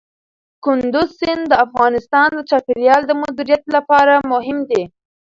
کندز سیند د افغانستان د چاپیریال د مدیریت لپاره مهم دي.